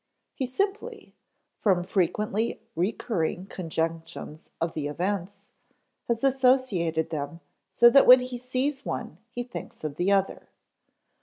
He simply, from frequently recurring conjunctions of the events, has associated them so that when he sees one he thinks of the other.